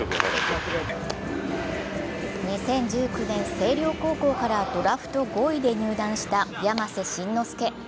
２０１９年、星稜高校からドラフト５位で入団した山瀬慎之助。